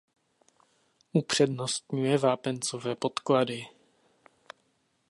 Upřednostňuje vápencové podklady.